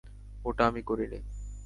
ওটা আমি করিনি!